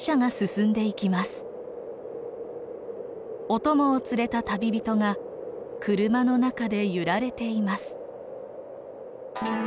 お供を連れた旅人が車の中で揺られています。